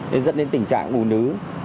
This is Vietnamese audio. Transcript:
để dẫn đến tình trạng bù nứ